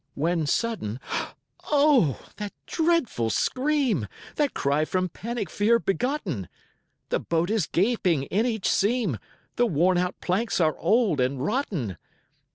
When sudden oh, that dreadful scream! That cry from panic fear begotten! The boat is gaping in each seam, The worn out planks are old and rotten.